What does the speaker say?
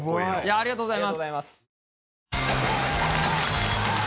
ありがとうございます。